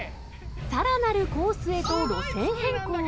さらなるコースへと路線変更。